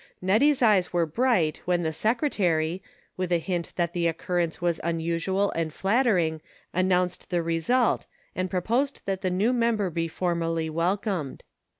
Nettie's eyes were bright when the secretary, with a hint that the occurrence was unusual and flattering announced the result and proposed that the new member be formally welcomed.